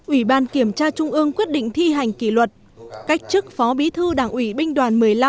ủy ban kiểm tra trung ương quyết định thi hành kỷ luật cách chức phó bí thư đảng ủy binh đoàn một mươi năm